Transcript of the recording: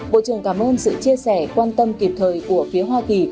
bộ trưởng cảm ơn sự chia sẻ quan tâm kịp thời của phía hoa kỳ